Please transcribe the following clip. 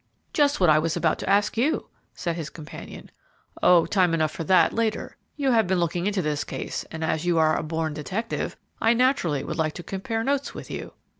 "Just what I was about to ask you," said his companion. "Oh, time enough for that later. You have been looking into this case, and, as you are a born detective, I naturally would like to compare notes with you."